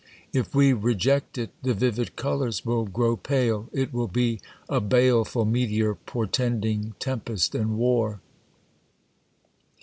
If we reject it, the vivid colours will grow pale ; it will be a baleful meteor portending tempest and war.